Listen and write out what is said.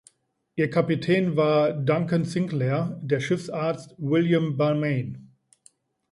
Ihr Kapitän war Duncan Sinclair, der Schiffsarzt William Balmain.